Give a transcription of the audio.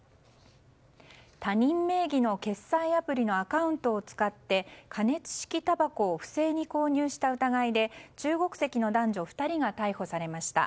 他人名義の決済アプリのアカウントを使って加熱式たばこを不正に購入した疑いで中国籍の男女２人が逮捕されました。